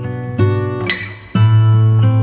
terima kasih ya mas